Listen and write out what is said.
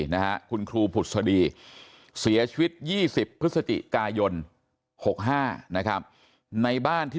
นะฮะคุณครูผุดสดีเสียชีวิต๒๐พฤศจิกายน๖๕นะครับในบ้านที่